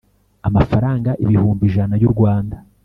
amafaranga ibihumbi ijana y u Rwanda